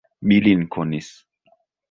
Mi lin konis.